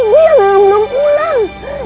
dia malam belum pulang